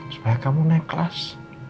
supaya kamu naik kelas